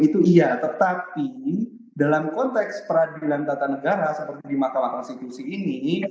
itu iya tetapi dalam konteks peradilan tata negara seperti di mahkamah konstitusi ini